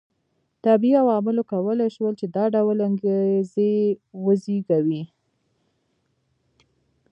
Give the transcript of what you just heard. طبیعي عواملو کولای شول چې دا ډول انګېزې وزېږوي